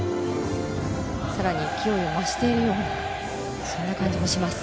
更に、勢いを増しているような感じもします。